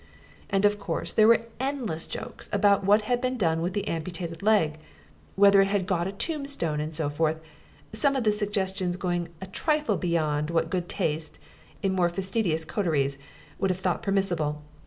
And of course there were endless jokes about what had been done with the amputated leg, whether it had got a tombstone, and so forth: some of the suggestions going a trifle beyond what good taste, in more fastidious coteries, would have thought permissible.